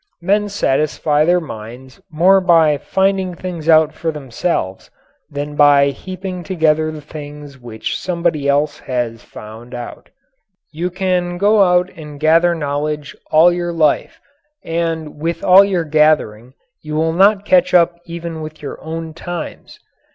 Men satisfy their minds more by finding out things for themselves than by heaping together the things which somebody else has found out. You can go out and gather knowledge all your life, and with all your gathering you will not catch up even with your own times.